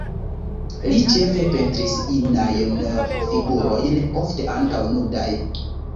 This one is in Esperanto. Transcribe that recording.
Li ĉefe pentris inajn figurojn, ofte ankaŭ nudaj.